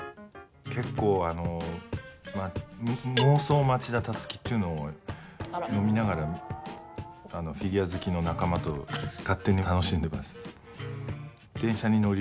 結構、妄想・町田樹というのを飲みながらフィギュア好きの仲間と勝手に楽しんでます。